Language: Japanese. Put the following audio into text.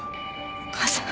お母さん。